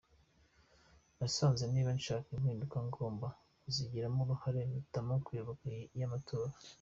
Nasanze niba nshaka impinduka ngomba kuzigiramo uruhare mpitamo kuyoboka iy’ amatora”.